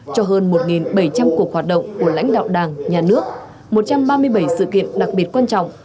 cho hơn một bảy trăm linh cuộc hoạt động của lãnh đạo đảng nhà nước một trăm ba mươi bảy sự kiện đặc biệt quan trọng